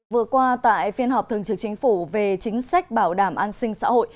vừa qua tại phiên họp thường trực chính phủ về chính sách bảo đảm an sinh xã hội